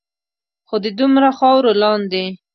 خو د دومره خاورو لاندے